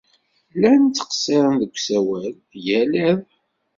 Llan ttqeṣṣiren deg usawal yal iḍ.